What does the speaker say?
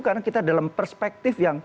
karena kita dalam perspektif